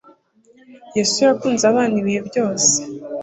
Yesu yakunze abana ibihe byose.